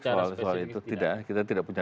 soal soal itu tidak kita tidak punya